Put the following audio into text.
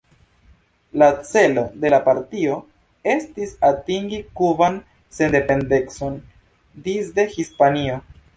La celo de la partio estis atingi kuban sendependecon disde Hispanio.